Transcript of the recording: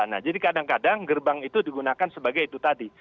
nah jadi kadang kadang gerbang itu digunakan sebagai itu tadi